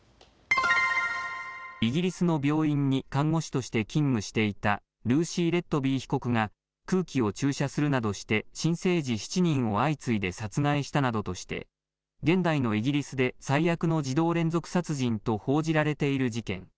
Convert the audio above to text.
イギリスの病院に看護師として勤務していたルーシー・レットビー被告が空気を注射するなどして新生児７人を相次いで殺害したなどとして現代のイギリスで最悪の児童連続殺人と報じられている事件。